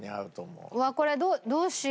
うわっこれどうしよう。